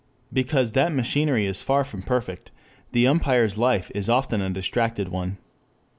Because that machinery is far from perfect, the umpire's life is often a distracted one.